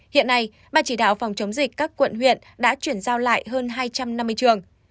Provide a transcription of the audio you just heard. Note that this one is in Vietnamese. hiện nay ban chỉ đạo phòng chống dịch các quận huyện đã chuyển giao lại hơn hai trăm năm mươi trường